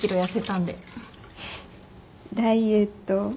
ダイエット？